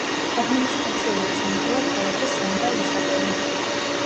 ადმინისტრაციული ცენტრია ქალაქი სანტა-ისაბელი.